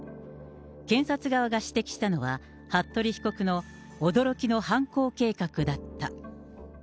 検察側が指摘したのは、服部被告の驚きの犯行計画だった。